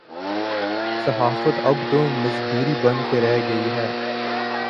صحافت اب تو مزدوری بن کے رہ گئی ہے۔